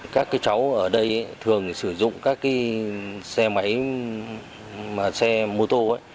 các cháu ở đây thường sử dụng các xe máy xe mô tô